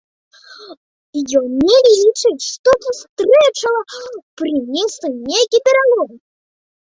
Ён не лічыць, што сустрэча прынесла нейкі пералом.